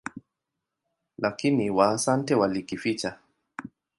Lakini Waasante walikificha.